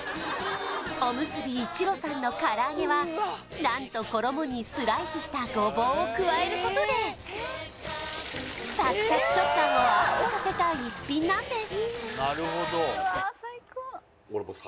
おむすび一路さんのからあげは何と衣にスライスしたゴボウを加えることでサクサク食感をアップさせた逸品なんです